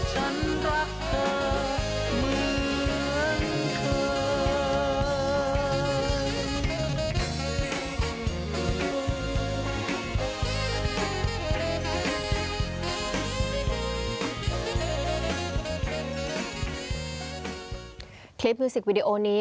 จนไม่อาจเปลี่ยนใจฉันที่มีให้เธอได้เลย